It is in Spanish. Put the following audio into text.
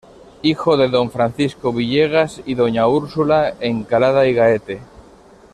Hijo de don "Francisco Villegas" y doña "Úrsula Encalada y Gaete".